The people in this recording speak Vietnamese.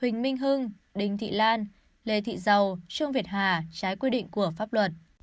huỳnh minh hưng đình thị lan lê thị giàu trương việt hà trái quy định của pháp luật